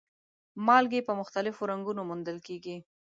مالګې په مختلفو رنګونو موندل کیږي.